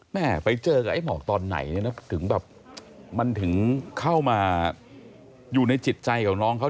แม่ไปเจอกับเหมาะตอนไหนมันถึงเข้ามาอยู่ในจิตใจของน้องเขา